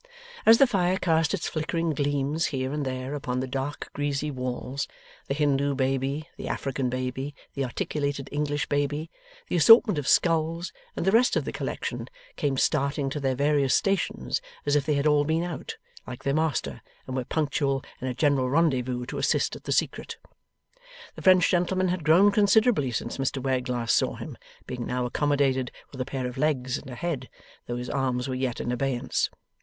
As the fire cast its flickering gleams here and there upon the dark greasy walls; the Hindoo baby, the African baby, the articulated English baby, the assortment of skulls, and the rest of the collection, came starting to their various stations as if they had all been out, like their master and were punctual in a general rendezvous to assist at the secret. The French gentleman had grown considerably since Mr Wegg last saw him, being now accommodated with a pair of legs and a head, though his arms were yet in abeyance.